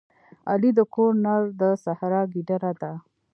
علي د کور نر د سحرا ګیدړه ده.